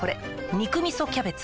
「肉みそキャベツ」